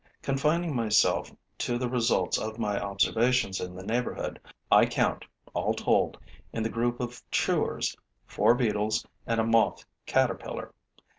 Confining myself to the results of my observations in the neighborhood, I count, all told, in the group of chewers, four beetles and a moth caterpillar.